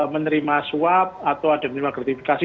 menerima swab atau ada yang menerima gratifikasi